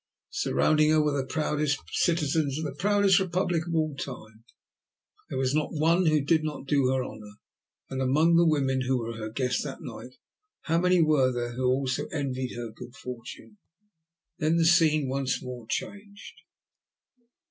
Surrounding her were the proudest citizens of the proudest Republic of all time. There was not one who did not do her honour, and among the women who were her guests that night, how many were there who envied her good fortune? Then the scene once more changed.